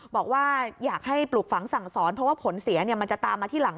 บอกว่าอยากให้ปลูกฝังสั่งสอนเพราะว่าผลเสียมันจะตามมาที่หลัง